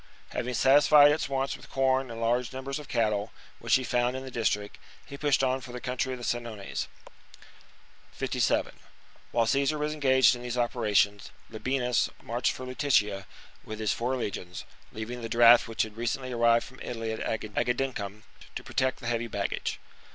Having satisfied its wants with corn and large numbers of cattle, which he found in the district, he pushed on for the country of the Senones. 57. While Caesar was engaged in these opera Labienus tions, Labienus marched for Lutetia with his four camu logenus. legions, leaving the draft which had recently arrived from Italy at Agedincum, to protect the heavy baggage.